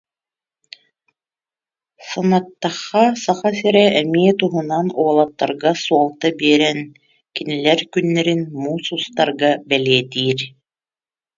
Санаттахха Саха сирэ эмиэ туһунан уолаттарга суолта биэрэн, кинилэр күннэрин муус устарга бэлиэтиир